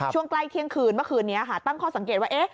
ช่วงใกล้เที่ยงคืนเมื่อคืนนี้ค่ะตั้งข้อสังเกตว่า